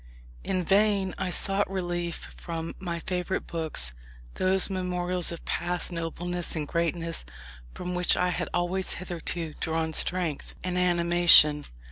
In vain I sought relief from my favourite books; those memorials of past nobleness and greatness from which I had always hitherto drawn strength and animation.